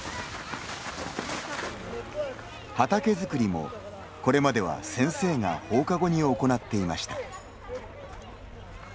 畑作りも、これまでは先生が放課後に行っていました。